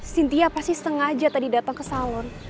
cynthia pasti sengaja tadi datang ke salon